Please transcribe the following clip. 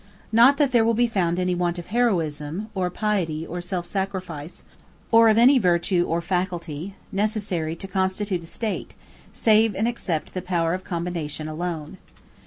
Not that there will be found any want of heroism, or piety, or self sacrifice, or of any virtue or faculty, necessary to constitute a state, save and except the power of combination, alone.